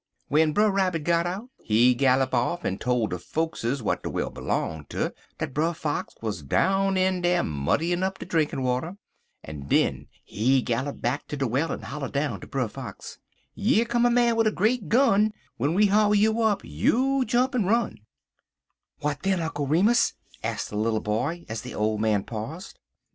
*1 "W'en Brer Rabbit got out, he gallop off en tole de fokes w'at de well blong ter dat Brer Fox wuz down in dar muddyin' up de drinkin' water, en den he gallop back ter de well, en holler down ter Brer Fox: "'Ye come a man wid a great big gun W'en he haul you up, you jump en run."' "What then, Uncle Remus?" asked the little boy, as the old man paused.